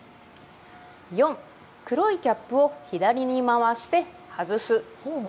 ４、黒いキャップを左に回して外す。